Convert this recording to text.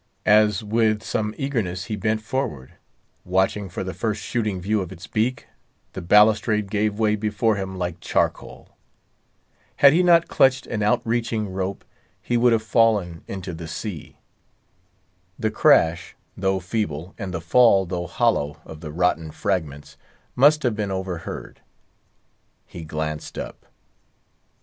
As with some eagerness he bent forward, watching for the first shooting view of its beak, the balustrade gave way before him like charcoal. Had he not clutched an outreaching rope he would have fallen into the sea. The crash, though feeble, and the fall, though hollow, of the rotten fragments, must have been overheard. He glanced up.